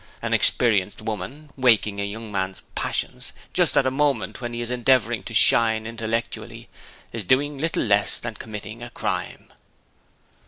... 'An experienced woman waking a young man's passions just at a moment when he is endeavouring to shine intellectually, is doing little less than committing a crime.'